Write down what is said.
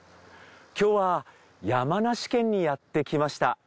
今日は山梨県にやってきました。